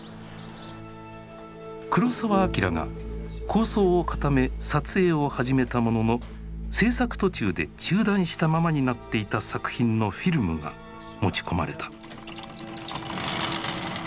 黒澤明が構想を固め撮影を始めたものの製作途中で中断したままになっていた作品のフィルムが持ち込まれた。